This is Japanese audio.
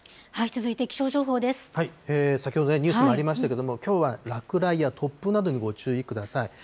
先ほどね、ニュースにもありましたけれども、きょうは落雷や突風などにご注意ください。